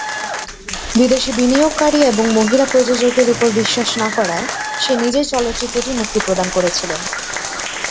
বিদেশি বিনিয়োগকারী এবং মহিলা প্রযোজকের ওপর বিশ্বাস না করায় সে নিজেই চলচ্চিত্রটি মুক্তি প্রদান করেছিলেন।